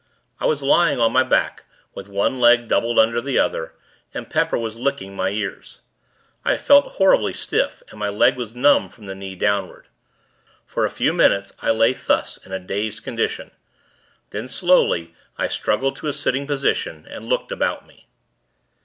I was lying on my back, with one leg doubled under the other, and Pepper was licking my ears. I felt horribly stiff, and my leg was numb, from the knee, downward. For a few minutes, I lay thus, in a dazed condition; then, slowly, I struggled to a sitting position, and looked about me.